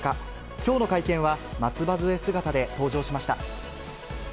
きょうの会見は松葉づえ姿で登場しました。